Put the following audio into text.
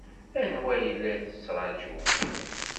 Anwa ay la tettṛajum?